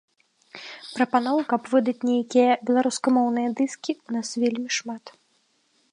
Прапаноў, каб выдаць нейкія беларускамоўныя дыскі, у нас вельмі шмат.